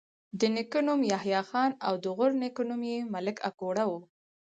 د نیکه نوم یحيی خان او د غورنیکه نوم یې ملک اکوړه وو